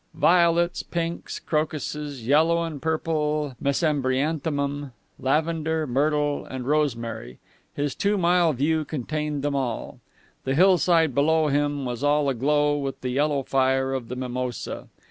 Violets, pinks, crocuses, yellow and purple mesembryanthemum, lavender, myrtle, and rosemary ... his two mile view contained them all. The hillside below him was all aglow with the yellow fire of the mimosa.